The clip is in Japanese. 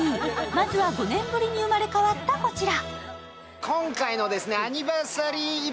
まずは５年ぶりに生まれ変わったこちら。